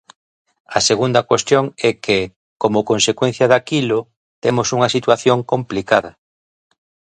A segunda cuestión é que, como consecuencia daquilo, temos unha situación complicada.